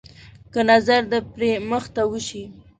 که نظر د پري مخ ته وشي.